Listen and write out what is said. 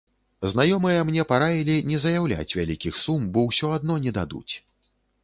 Знаёмыя мне параілі не заяўляць вялікіх сум, бо ўсё адно не дадуць.